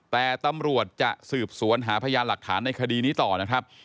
แต่ตำรวจจะสืบสวนหาพยานหลักฐานในคดีนี้ต่อนะครับ